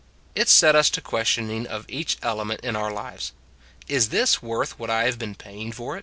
It set us to questioning of each ele ment in our lives, Is this worth what I have been paying for it?